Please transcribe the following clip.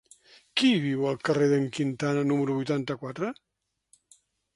Qui viu al carrer d'en Quintana número vuitanta-quatre?